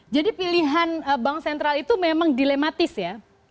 jadi pilihan bank sentral itu memang dilematis ya